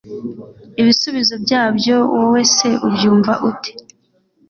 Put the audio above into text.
ibisubizo byabyo wowe se ubyumva ute